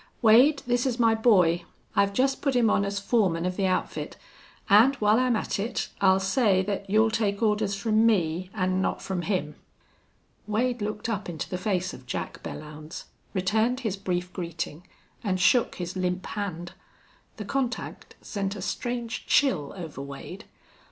Wade, this's my boy. I've jest put him on as foreman of the outfit, an' while I'm at it I'll say thet you'll take orders from me an' not from him." Wade looked up into the face of Jack Belllounds, returned his brief greeting, and shook his limp hand. The contact sent a strange chill over Wade.